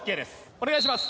お願いします。